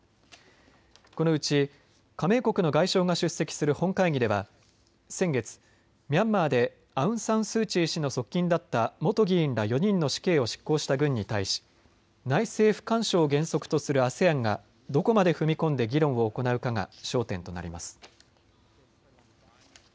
このうち加盟国の外相が出席する本会議では先月、ミャンマーでアウン・サン・スー・チー氏の側近だった元議員ら４人の死刑を執行した軍に対し内政不干渉を原則とするＡＳＥＡＮがどこまで踏み込んで議論を行うかが焦点となります。